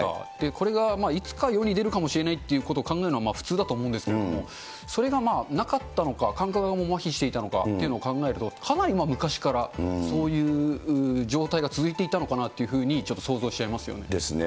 これがいつか世に出るかもしれないってことを考えるのが普通だと思うんですけど、それがなかったのか、感覚がもうまひしていたのかというのを考えると、かなり昔からそういう状態が続いていたのかなというふうにちょっですね。